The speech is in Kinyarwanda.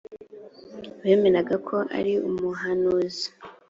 bemeraga ko ari umuhanuzi